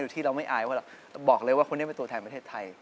ที่เราไม่อายว่าเราบอกเลยว่าคนนี้เป็นตัวแทนประเทศไทย